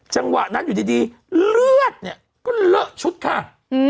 จังหวะนั้นอยู่ดีเลือดก็เลอะชุดข้าง